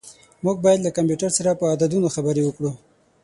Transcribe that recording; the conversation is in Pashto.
موږ باید له کمپیوټر سره په عددونو خبرې وکړو.